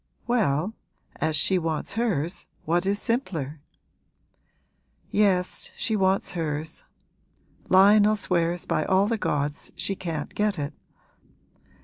'Well, as she wants hers what is simpler?' 'Yes, she wants hers. Lionel swears by all the gods she can't get it.'